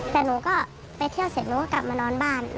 แต่หนูก็ไปเที่ยวเสร็จหนูก็กลับมานอนบ้าน